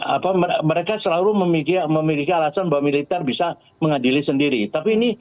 apa mereka selalu memiliki alasan bahwa militer bisa mengadili sendiri tapi ini